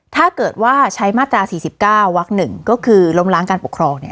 ถ้าเกิดว่าใช้มาตราสี่สิบเก้าวักหนึ่งก็คือล้มล้างการปกครองเนี้ย